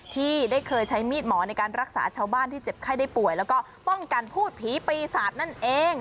ที่ได้เคยใช้มีดหมอในการรักษาชาวบ้านที่เจ็บไข้ได้ป่วยแล้วก็ป้องกันพูดผีปีศาจนั่นเอง